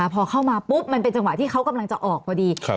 พอเข้ามาปุ๊บมันเป็นจังหวะที่เขากำลังจะออกพอดี